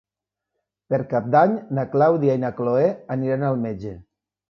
Per Cap d'Any na Clàudia i na Cloè aniran al metge.